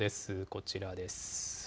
こちらです。